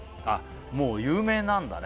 もう有名なんだね